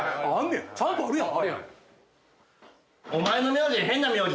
ちゃんとあるやん！